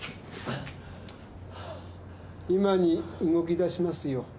今に動き出しますよ。